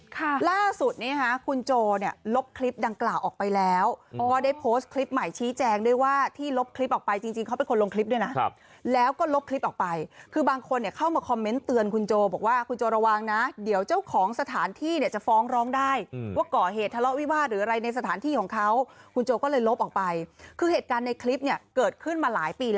ค่ะล่าสุดนี้ฮะคุณโจเนี่ยลบคลิปดังกล่าออกไปแล้วก็ได้โพสต์คลิปใหม่ชี้แจงด้วยว่าที่ลบคลิปออกไปจริงจริงเขาเป็นคนลงคลิปด้วยนะครับแล้วก็ลบคลิปออกไปคือบางคนเนี่ยเข้ามาคอมเมนต์เตือนคุณโจบอกว่าคุณโจระวังนะเดี๋ยวเจ้าของสถานที่เนี่ยจะฟ้องร้องได้ว่าก่อเหตุทะเลาะวิบาทหรืออะไรใน